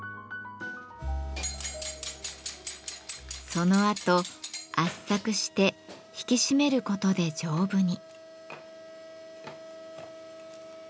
そのあと圧搾して引き締めることで丈夫に。